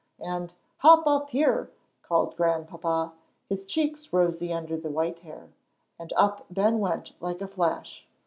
And "Hop up here," called Grandpapa, his cheeks rosy under the white hair. And up Ben went like a flash!